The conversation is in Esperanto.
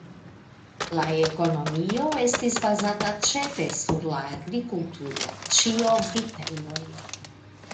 La ekonomio estis bazata ĉefe sur la agrikulturo (ĉio vitejoj).